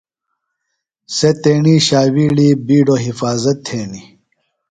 سےۡ تیݨی ݜاوِیڑی بِیڈوۡ حفاظت تھینیۡ۔